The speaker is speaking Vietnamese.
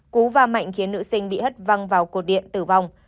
cú và mạnh khiến nữ sinh bị hất văng vào cột điện tử vong